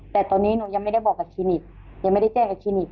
แต่ตอนนี้หนูยังไม่ได้บอกกับคลินิก